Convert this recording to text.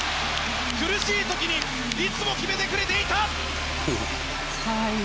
苦しい時にいつも決めてくれていた！